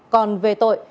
còn về tội